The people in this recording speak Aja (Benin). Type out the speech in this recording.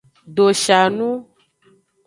Doshanu.